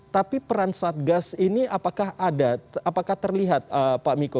tapi peran satgas ini apakah ada apakah terlihat pak miko